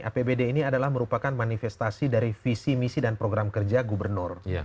apbd ini adalah merupakan manifestasi dari visi misi dan program kerja gubernur